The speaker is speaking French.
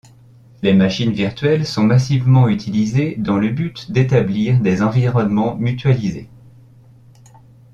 Les machines virtuelles sont massivement utilisées dans le but d'établir des environnements mutualisés.